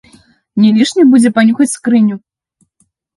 Не лішне будзе панюхаць скрыню!